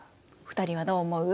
２人はどう思う？